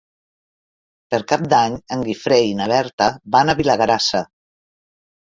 Per Cap d'Any en Guifré i na Berta van a Vilagrassa.